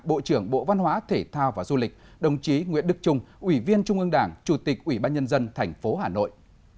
bộ trưởng bộ văn hóa thể thao và du lịch đồng chí nguyễn đức trung ủy viên trung ương đảng chủ tịch ủy ban nhân dân tp hà nội